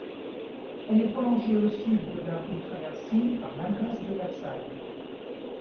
Elle est prolongée au sud de la rue Traversine par l'impasse de Versailles.